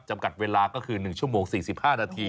จำกัดเวลาก็คือ๑ชั่วโมง๔๕นาที